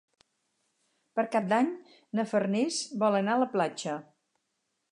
Per Cap d'Any na Farners vol anar a la platja.